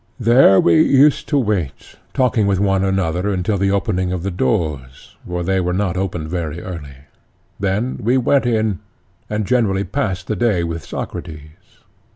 There we used to wait talking with one another until the opening of the doors (for they were not opened very early); then we went in and generally passed the day with Socrates.